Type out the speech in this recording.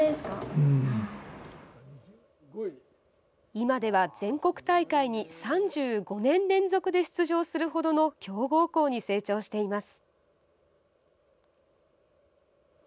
今では全国大会に３５年連続で出場するほどの強豪校に成長しています。